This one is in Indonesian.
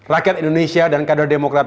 rakyat indonesia dan kader demokrat